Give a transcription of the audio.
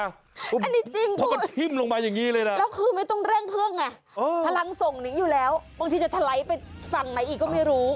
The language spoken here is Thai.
อันนี้จริงค่ะแล้วคือไม่ต้องแร่งเครื่องไงพลังส่งอยู่แล้วบางทีจะทะไล้ไปฝั่งไหนอีกก็ไม่รู้